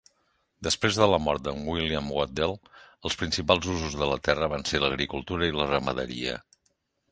Després de la mort de"n William Waddell, els principals usos de la terra van ser l"agricultura i la ramaderia.